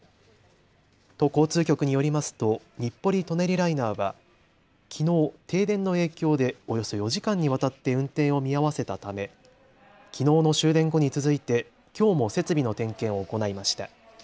都交通局によりますと日暮里・舎人ライナーはきのう停電の影響でおよそ４時間にわたって運転を見合わせたためきのうの終電後に続いてきょうも設備の点検を行いました。